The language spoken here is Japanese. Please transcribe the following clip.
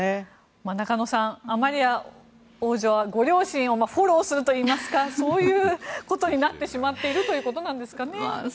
中野さん、アマリア王女はご両親をフォローするといいますかそういうことになってしまっているということなんですかね。